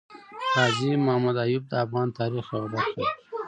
غازي محمد ايوب د افغان تاريخ يوه برخه ده